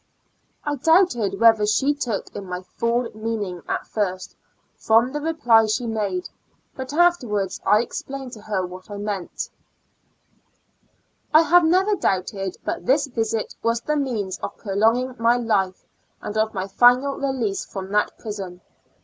I doubted whether she took in my full mean ing at first, from the reply she made, but afterwards I explained to her what I meant. IX A Lunatic Asyl mi, 129 I have never doubted, but this visit was the means of prolonging my life, and of my final release from that prison.